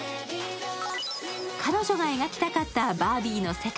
彼女が描きたかったバービーの世界。